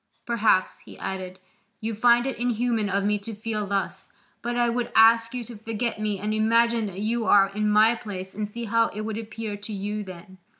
Perhaps," he added, "you find it inhuman of me to feel thus, but I would ask you to forget me and imagine that you are in my place and see how it would appear to you then.